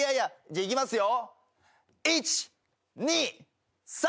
じゃあいきますよ。